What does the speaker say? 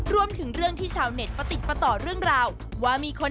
รวมถึงเรื่องที่ชาวเน็ตประติดประต่อเรื่องราวว่ามีคน